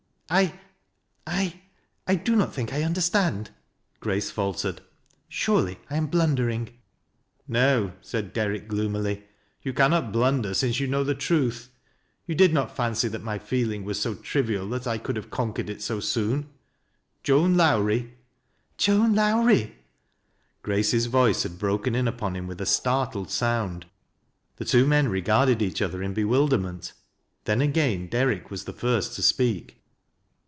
"I — I do not think I understand," Grace faltered. " Surely I am blundering." " No," said Derrick, gloomily. " Toa cannot blundei since you know the truth. Tou did not fancy that my feeling was so trivial that I could have conquered it sc soon? Joan Lowrie " "Joan Lowrie! " Grace's voice had broken in upon him with a startled sound. The two men regarded each other in bewilderment Then again Derrick was the fii st to speak.